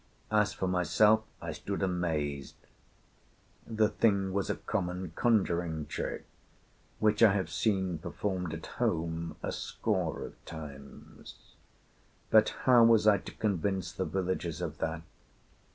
As for myself, I stood amazed. The thing was a common conjuring trick which I have seen performed at home a score of times; but how was I to convince the villagers of that?